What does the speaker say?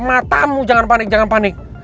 matamu jangan panik jangan panik